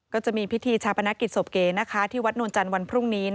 ก็จะมีพิธีชาปนกิจศพเก๋ที่วัดนวลจันทร์วันพรุ่งนี้